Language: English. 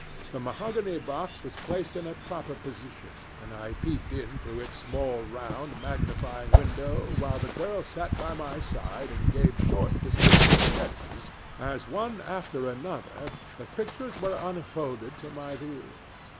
The mahogany box was placed in a proper position, and I peeped in through its small round magnifying window while the girl sat by my side and gave short descriptive sketches as one after another the pictures were unfolded to my view.